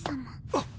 あっ。